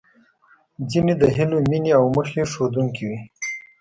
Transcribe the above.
ځينې د هیلو، مينې او موخې ښودونکې وې.